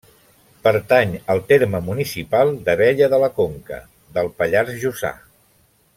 Pertany al terme municipal d'Abella de la Conca, del Pallars Jussà.